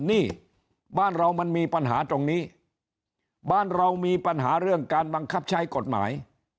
นี่บ้านเรามันมีปัญหาตรงนี้บ้านเรามีปัญหาเรื่องการบังคับใช้กฎหมาย